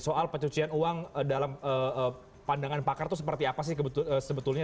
soal pencucian uang dalam pandangan pakar itu seperti apa sih sebetulnya